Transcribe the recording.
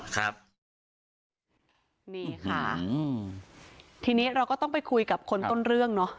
ครับนี่ค่ะอืมทีนี้เราก็ต้องไปคุยกับคนต้นเรื่องเนอะ